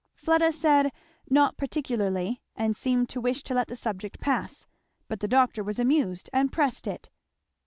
Fleda said "not particularly," and seemed to wish to let the subject pass, but the doctor was amused and pressed it.